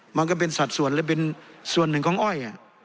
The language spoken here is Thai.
มันก็เป็นสัดส่วนและเป็นส่วนหนึ่งของอ้อย